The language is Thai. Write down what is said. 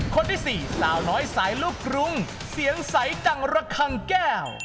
คนที่๔สาวน้อยสายลูกกรุงเสียงใสจังระคังแก้ว